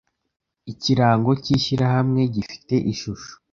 Ikirango cy ishyirahamwe gifite ishusho